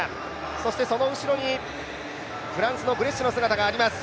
そしてその後ろにフランスのグレッシエの姿があります。